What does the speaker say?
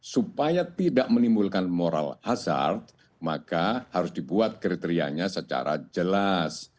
supaya tidak menimbulkan moral hazard maka harus dibuat kriterianya secara jelas